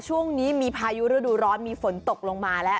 ช่วงนี้มีพายุฤดูร้อนมีฝนตกลงมาแล้ว